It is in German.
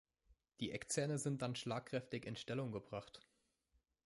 Die Eckzähne sind dann schlagkräftig in Stellung gebracht.